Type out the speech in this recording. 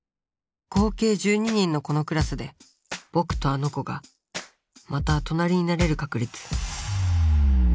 合計１２人のこのクラスでぼくとあの子がまた隣になれる確率。